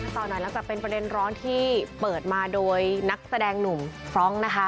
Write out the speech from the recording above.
ต่อหน่อยหลังจากเป็นประเด็นร้อนที่เปิดมาโดยนักแสดงหนุ่มฟรองก์นะคะ